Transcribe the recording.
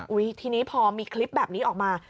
ทีนี้พอมีคลิปแบบนี้ออกมา